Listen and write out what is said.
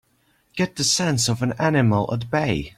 Get the sense of an animal at bay!